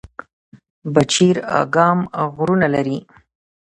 پچیر اګام غرونه لري؟